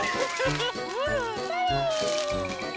それ。